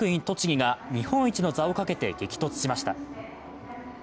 栃木が日本一の座をかけて激突しました。